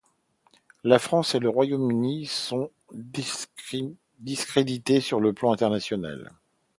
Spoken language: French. La France et le Royaume-Uni sont discrédités sur le plan international.